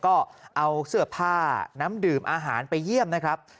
ก็เอาเสื้อผ้าน้ำดื่มอาหารไปเยี่ยมนะครับ